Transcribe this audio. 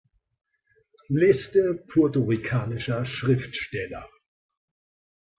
Liste puerto-ricanischer Schriftsteller